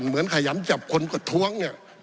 ขยันจับคนประท้วงเนี่ย